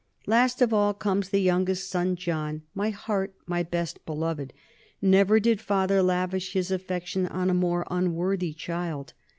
Last of all comes the youngest son John, "my heart, my best beloved." Never did father lavish his affection on a more unworthy child.